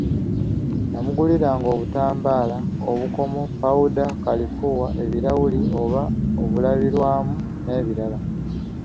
Namuguliranga obutambaala, obukomo, ppawuda, kalifuuwa, ebirawuli oba obulabirwamu n'ebirala.